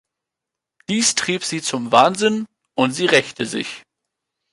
Dies trieb sie zum Wahnsinn und sie rächte sich.